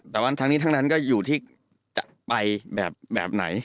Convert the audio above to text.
แต่ว่าทั้งนี้ทั้งนั้นก็อยู่ที่จะไปแบบไหน